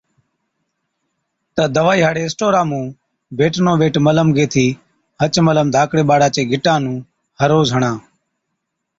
تہ دَوائِي هاڙي اِسٽورا مُون ’بيٽنوويٽ‘ ملم گيهٿِي هچ ملم ڌاڪڙي ٻاڙا چي گِٽان نُون هر روز هڻا۔